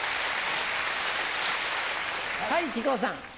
はい木久扇さん。